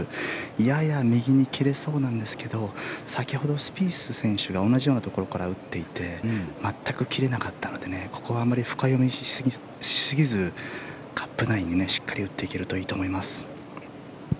やや右に切れそうなんですが先ほどスピース選手が同じようなところから打っていて全く切れなかったのでここはあまり深読みしすぎずカップ内にしっかり打っていけるといいと思います。